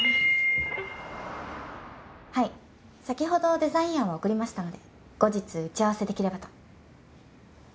はい先ほどデザイン案は送りましたので後日打ち合わせできればと。